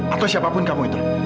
atau siapapun kamu itu